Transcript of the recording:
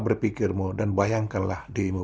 berpikirmu dan bayangkanlah dirimu